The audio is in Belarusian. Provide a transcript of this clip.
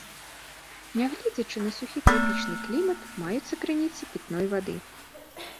Нягледзячы на сухі трапічны клімат, маюцца крыніцы пітной вады.